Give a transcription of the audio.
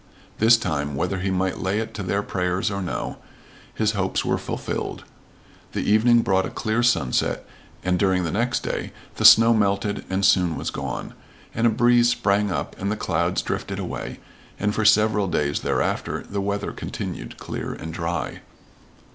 This time, whether he might lay it to their prayers or no, his hopes were fulfilled. The evening brought a clear sunset, and during the next day the snow melted and soon was gone, and a breeze sprang up and the clouds drifted away, and for several days thereafter the weather continued clear and dry.